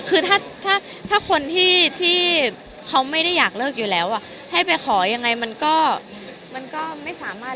คือถ้าถ้าคนที่เขาไม่ได้อยากเลิกอยู่แล้วให้ไปขอยังไงมันก็มันก็ไม่สามารถ